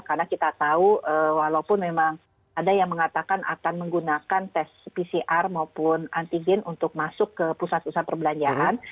karena kita tahu walaupun memang ada yang mengatakan akan menggunakan tes pcr maupun antigen untuk masuk ke pusat pusat perbelanjaan